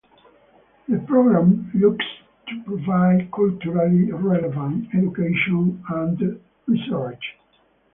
The programme looks to provide culturally relevant education and research.